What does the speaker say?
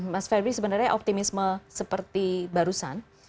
mas febri sebenarnya optimisme seperti barusan